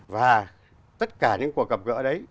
và tất cả những cuộc gặp gỡ đấy